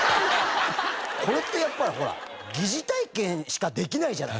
これってやっぱりほら疑似体験しかできないじゃない？